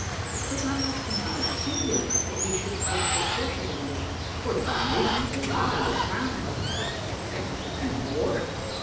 I could not help thinking it singular that he should select a portion in which, for divine reasons, a lie was crowned with such success and reward.